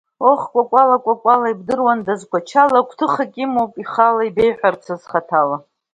Оҳ, Кәакәала-Кәакәала, Ибдыруанда, қәачала Гәҭыхак имоуп ихала Ибеиҳәарацы хаҭала!